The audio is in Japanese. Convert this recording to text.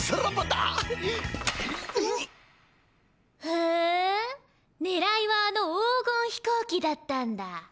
ふんねらいはあの黄金飛行機だったんだ。